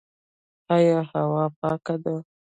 آیا هوا پاکه ده؟